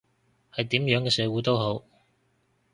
喺點樣嘅社會都好